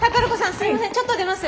すいませんちょっと出ます。